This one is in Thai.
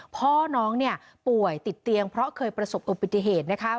พ่อน้องเนี่ยป่วยติดเตียงเพราะเคยประสบอุบัติเหตุนะคะ